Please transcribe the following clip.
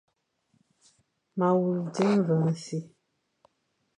Ma wule dia mveñ e si,